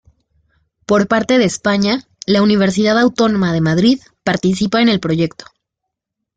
Por parte de España, la Universidad Autónoma de Madrid participa en el proyecto.